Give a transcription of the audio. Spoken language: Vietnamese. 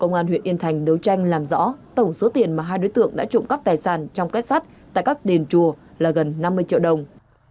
công an huyện yên thành đấu tranh làm rõ tổng số tiền mà hai đối tượng đã trộm cắp tài sản trong kết sắt tại các đền chùa là gần năm mươi triệu đồng